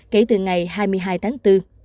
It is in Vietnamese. kể từ ngày hai mươi hai tháng bốn